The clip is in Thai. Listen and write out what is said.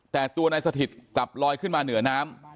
แต่ตัวนายสถิตกลับลอยขึ้นมาเหนือน้ำ